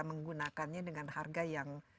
menggunakannya dengan harga yang